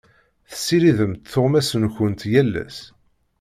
Tessiridemt tuɣmas-nkent yal ass.